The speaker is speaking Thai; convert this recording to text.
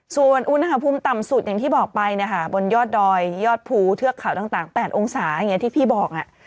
ส่วนอุณหภูมิต่ำสุดอย่างที่บอกไปนะคะบนยอดดอยยอดภูเทือกเขาต่าง๘องศาอย่างนี้ที่พี่บอก